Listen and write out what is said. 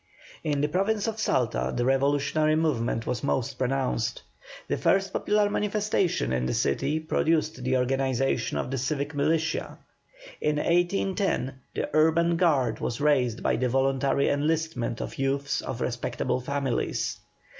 In the Province of Salta the revolutionary movement was most pronounced. The first popular manifestation in the city produced the organization of the civic militia. In 1810 the urban guard was raised by the voluntary enlistment of youths of respectable families.